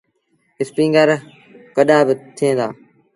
اسپيٚنگر رآ ڪڏآ با ٿئيٚݩ دآ۔